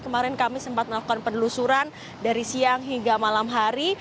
kemarin kami sempat melakukan penelusuran dari siang hingga malam hari